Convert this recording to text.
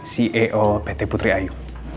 ceo pt putri ayu